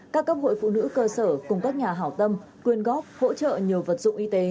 các cấp hội phụ nữ cơ sở cùng các nhà hảo tâm quyên góp hỗ trợ nhiều vật dụng y tế